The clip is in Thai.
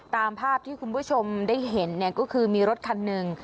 ตามภาพที่คุณผู้ชมได้เห็นเนี่ยก็คือมีรถคันหนึ่ง